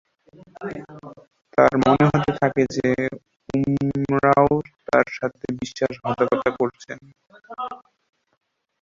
তাঁর মনে হতে থাকে যে উমরাও তাঁর সাথে বিশ্বাসঘাতকতা করেছেন।